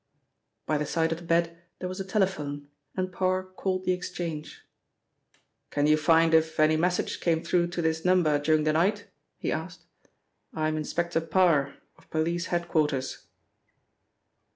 By the side of the bed there was a telephone, and Parr called the exchange. "Can you find if any message came through to this number during the night?" he asked. "I am Inspector Parr, of police head quarters."